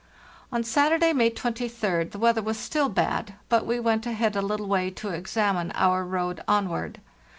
On Saturday, May 23d, the weather was still bad, but we went ahead a little way to examine our road onward.